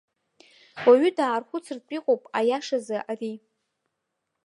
Уаҩы дархәыцыртә иҟоуп, аиашазы, ари.